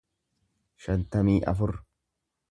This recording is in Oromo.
shantamii afur